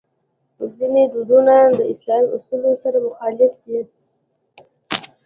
ځینې دودونه د اسلامي اصولو سره مخالف دي.